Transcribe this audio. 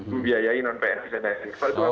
membiayai non pns dan lain sebagainya